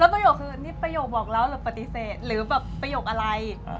ประโยคคือนี่ประโยคบอกแล้วหรือปฏิเสธหรือแบบประโยคอะไร